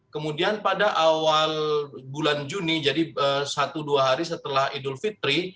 kemudian pada awal bulan juni jadi satu dua hari setelah idul fitri